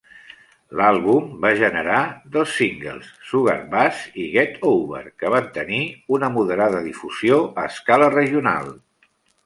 L'àlbum va generar dos singles, "Sugarbuzz" i "Get Over", que van tenir una moderada difusió a escala regional.